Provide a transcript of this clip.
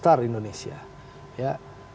bapak bangsa indonesia